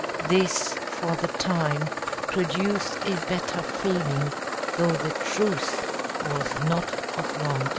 This, for the time, produced a better feeling, though the truce was not of long duration.